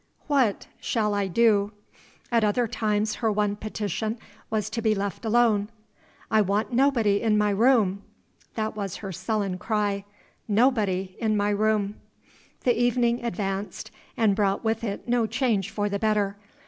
What shall I do?" At other times her one petition was to be left alone. "I want nobody in my room" that was her sullen cry "nobody in my room." The evening advanced, and brought with it no change for the better.